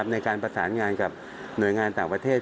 ในการประสานงานกับหน่วยงานต่างประเทศ